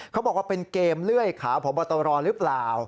เขาบอกว่าเป็นเกมเลื่อยขาพบตรหรือเปล่า